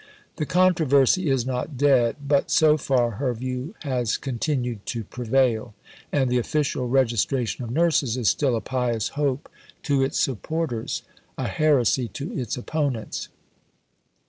The controversy is not dead; but, so far, her view has continued to prevail, and the official registration of nurses is still a pious hope to its supporters, a heresy to its opponents.